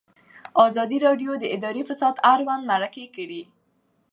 ازادي راډیو د اداري فساد اړوند مرکې کړي.